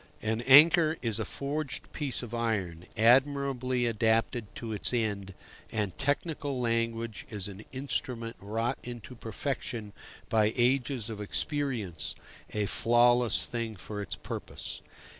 An anchor is a forged piece of iron, admirably adapted to its end, and technical language is an instrument wrought into perfection by ages of experience, a flawless thing for its purpose.